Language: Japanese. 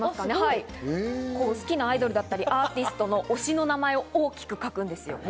好きなアイドルだったり、アーティストの推しの名前を大きく書くんです。